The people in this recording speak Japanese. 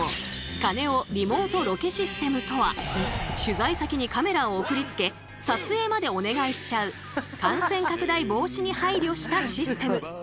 カネオ・リモートロケシステムとは取材先にカメラを送りつけ撮影までお願いしちゃう感染拡大防止に配慮したシステム。